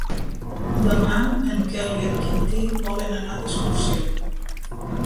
Demà en Quel i en Quintí volen anar d'excursió.